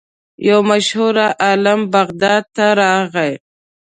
یو مشهور عالم بغداد ته راغی.